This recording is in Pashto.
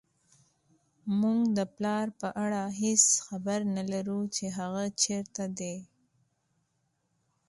موږ د پلار په اړه هېڅ خبر نه لرو چې هغه چېرته دی